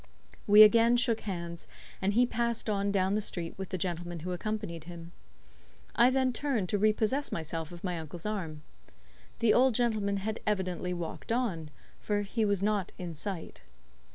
We again shook hands, and he passed on down the street with the gentleman who accompanied him. I then turned to re possess myself of my uncle's arm. The old gentleman had evidently walked on, for he was not in sight.